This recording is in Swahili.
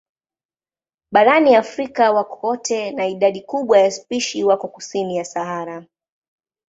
Barani Afrika wako kote na idadi kubwa ya spishi wako kusini ya Sahara.